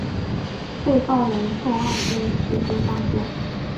被告人宋万新提出上诉。